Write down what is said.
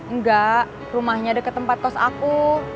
enggak rumahnya dekat tempat kos aku